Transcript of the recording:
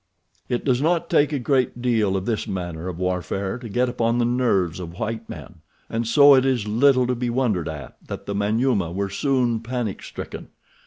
It does not take a great deal of this manner of warfare to get upon the nerves of white men, and so it is little to be wondered at that the Manyuema were soon panic stricken.